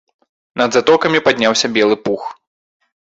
Над затокамі падняўся белы пух.